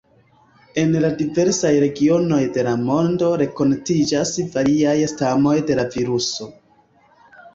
En la diversaj regionoj de la mondo renkontiĝas variaj stamoj de la viruso.